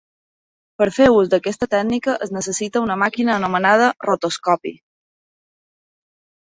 Per fer ús d'aquesta tècnica es necessita una màquina anomenada rotoscopi.